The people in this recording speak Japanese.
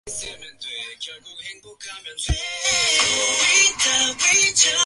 現実を離れて論理はなく、論理は現実のうちにあるのである。